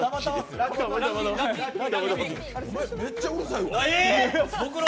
お前、めっちゃうるさいわ。